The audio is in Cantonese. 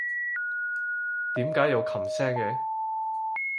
點解有琴聲嘅？